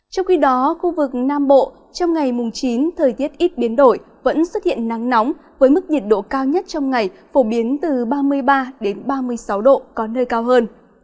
trong khi đó khu vực nam bộ trong ngày mùng chín thời tiết ít biến đổi vẫn xuất hiện nắng nóng với mức nhiệt độ cao nhất trong ngày phổ biến từ ba mươi ba đến ba mươi sáu độ có nơi cao hơn